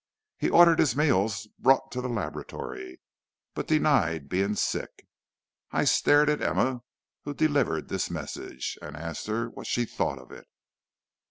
He ordered his meals brought to the laboratory, but denied being sick. I stared at Emma, who delivered this message, and asked her what she thought of it.